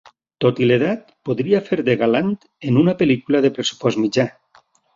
Tot i l'edat, podria fer de galant en una pel·lícula de pressupost mitjà.